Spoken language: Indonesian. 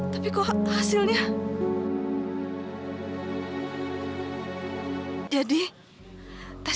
tapi kok hasilnya